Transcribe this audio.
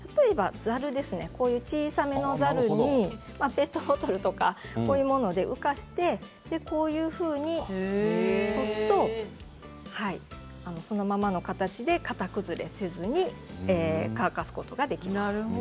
こういう小さめのざるにペットボトルとかで浮かせて上からかけて干すとそのままの形で型崩れせずに乾かすことができます。